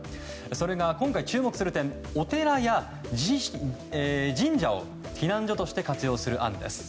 それが、今回注目する点お寺や神社を避難所として活用する案です。